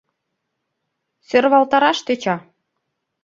Сӧрвалтараш тӧча!